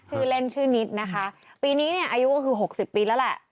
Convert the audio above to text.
ชื่อเล่นชื่อนิดนะคะปีนี้เนี่ยอายุก็คือหกสิบปีแล้วแหละ